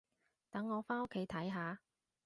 等我返屋企睇下